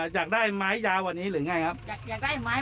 อย่าได้ยาวสำหรับมัน